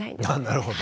なるほど。